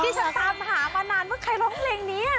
ฉันตามหามานานว่าใครร้องเพลงนี้